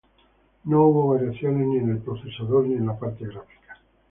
No hubo variaciones ni en el procesador ni en la parte gráfica.